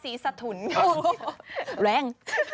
แม่ทุน